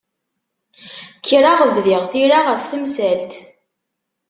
Kkreɣ bdiɣ tira ɣef temsalt.